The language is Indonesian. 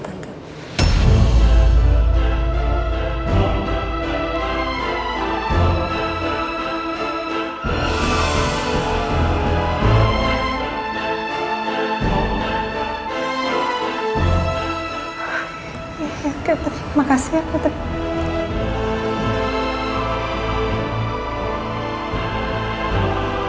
ya ya terima kasih ya pak teri